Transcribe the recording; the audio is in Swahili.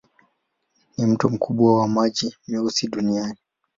Ni mto mkubwa wa maji meusi duniani.